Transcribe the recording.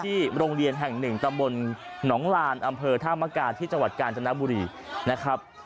โรงเรียนแห่งหนึ่งตำบลหนองลานอำเภอธามกาที่จังหวัดกาญจนบุรีนะครับ